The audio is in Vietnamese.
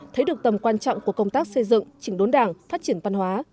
thấy được tầm quan trọng của công tác xây dựng chỉnh đốn đảng phát triển văn hóa